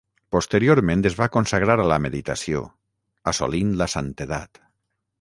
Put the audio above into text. Posteriorment es va consagrar a la meditació, assolint la santedat.